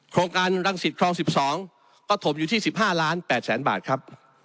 โครงการรังสิตคลอง๑๒ก็ถมอยู่ที่๑๕ล้าน๘แสนบาทครับ